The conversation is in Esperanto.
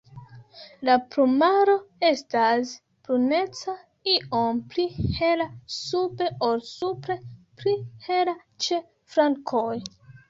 La plumaro estas bruneca, iom pli hela sube ol supre, pli hela ĉe flankoj.